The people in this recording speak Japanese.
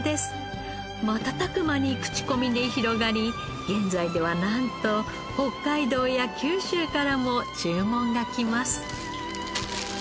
瞬く間に口コミで広がり現在ではなんと北海道や九州からも注文が来ます。